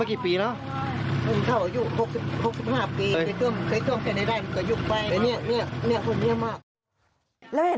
ไม่เคยท่วมเลย